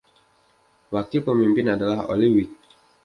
Wakil pemimpin adalah Ole Wiig.